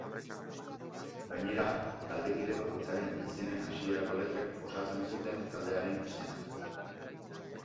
Gainera, taldekide bakoitzaren izenen hasierako letrek osatzen zuten taldearen izena.